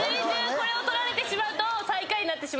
これを取られてしまうと最下位になってしまいます。